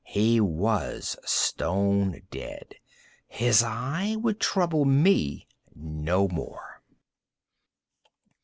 He was stone dead. His eye would trouble me no more.